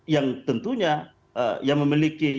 yang tentunya yang memiliki yang bisa berhasil